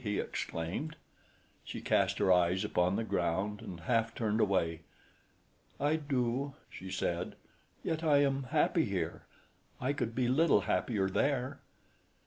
he exclaimed. She cast her eyes upon the ground and half turned away. "I do," she said, "yet I am happy here. I could be little happier there."